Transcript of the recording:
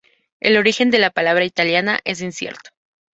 El origen de la palabra italiana es incierto.